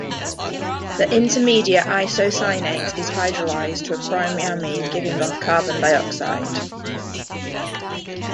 The intermediate isocyanate is hydrolyzed to a primary amine, giving off carbon dioxide.